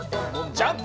ジャンプ！